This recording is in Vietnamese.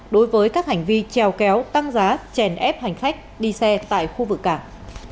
đối với các hành vi treo kéo tăng giá chèn ép hành khách đi xe tại khu vực cảng